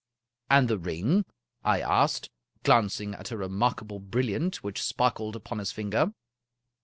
" And the ring? " I asked, glancing at a remarkable bril liant which sparkled upon his finger.